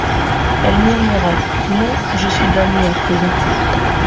Elle murmura : Non, je suis damnée à présent.